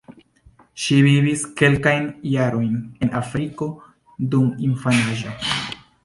Ŝi vivis kelkajn jarojn en Afriko dum infanaĝo.